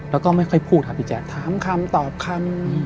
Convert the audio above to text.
แล้วก็ไม่ค่อยพูดครับพี่แจ๊คถามคำตอบคำ